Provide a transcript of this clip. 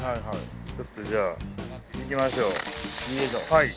ちょっとじゃあいきましょうよいしょ